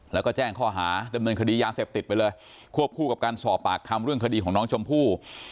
แล้วก็แจ้งข้อหาดำเนินคดียาเสพติดไปเลยควบคู่กับการสอบปากคำเรื่องคดีของน้องชมพู่